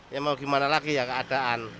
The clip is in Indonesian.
ya mau gimana lagi ya keadaan